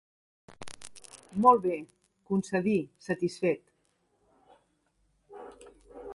Molt bé —concedí, satisfet—.